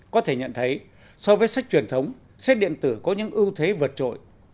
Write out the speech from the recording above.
có thể nhận thấy so với sách truyền thống sách điện tử có những ưu thế vượt trội